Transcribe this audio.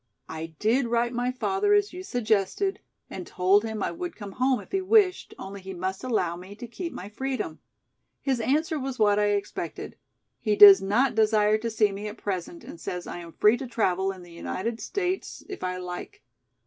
I did write my father as you suggested and told him I would come home if he wished, only he must allow me to keep my freedom. His answer was what I expected. He does not desire to see me at present and says I am free to travel in the United States if I like.